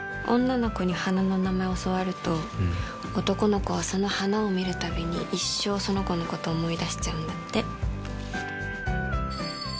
女の子に花の名前教わると男の子はその花を見るたびに一生その子のこと思い出しちゃうんだって。